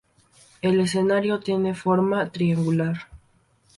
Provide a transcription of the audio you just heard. El escenario tiene forma triangular.